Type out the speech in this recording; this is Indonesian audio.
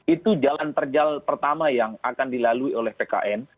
itu jalan terjal pertama yang akan dilalui oleh pkn